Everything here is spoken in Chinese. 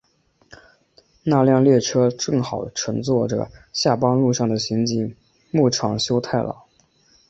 那辆列车正好乘坐着在下班路上的刑警木场修太郎。